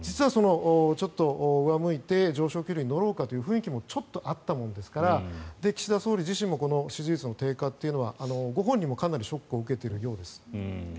ちょっと上向いて上昇気流に乗ろうかというのもちょっとあったものですから岸田総理自身も支持率の低下というのはご本人もかなりショックを受けているようです。